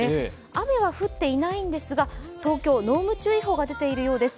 雨は降っていないんですが、東京、濃霧注意報が出ているようです。